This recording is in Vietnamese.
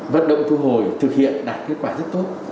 vận động thu hồi thực hiện đạt kết quả rất tốt